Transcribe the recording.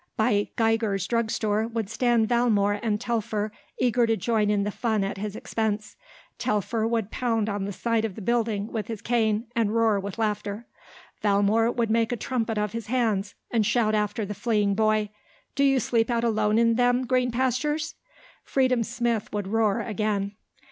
By Geiger's drug store would stand Valmore and Telfer, eager to join in the fun at his expense. Telfer would pound on the side of the building with his cane and roar with laughter. Valmore would make a trumpet of his hands and shout after the fleeing boy. "Do you sleep out alone in them green pastures?" Freedom Smith would roar again.